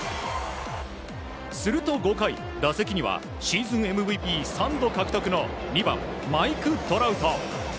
すると５回打席にはシーズンＭＶＰ３度獲得の２番、マイク・トラウト。